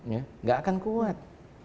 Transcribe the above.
ya enggak akan kuat